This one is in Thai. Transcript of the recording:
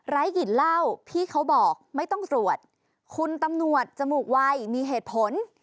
ร้ายกิจเล่าพี่เขาบอกไม่ต้องรวดคุณตำนวดจมูกว่ายมีเหตุผล